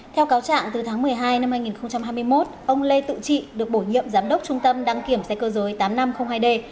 theo cáo trạng từ tháng một mươi hai năm hai nghìn hai mươi một ông lê tự trị được bổ nhiệm giám đốc trung tâm đăng kiểm xe cơ giới tám nghìn năm trăm linh hai d